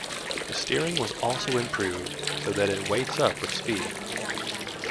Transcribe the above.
The steering was also improved so that it weights up with speed.